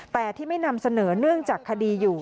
แต่ที่ไม่นำเสนอเนื่องจากคดีอยู่